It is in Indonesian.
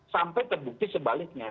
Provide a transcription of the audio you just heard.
sampai terbukti sebaliknya